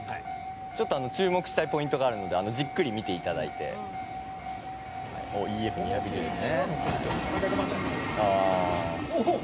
「ちょっと注目したいポイントがあるのでじっくり見ていただいて」「ＥＦ２１０ですね」「おおっ！」